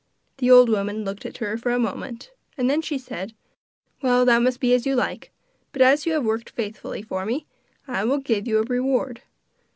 The old woman looked at her for a moment, and then she said: 'Well, that must be as you like; but as you have worked faithfully for me I will give you a reward.